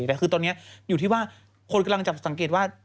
แต่คือตอนนี้อยู่ที่ว่าคนกำลังจะสังเกตว่า